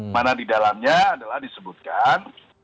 mana di dalamnya adalah disebutkan